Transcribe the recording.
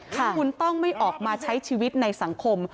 คุณต้องไม่ออกมาใช้ชีวิตในสังคม